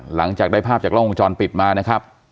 หลังจากได้ภาพจากกล้องวงจรปิดมานะครับ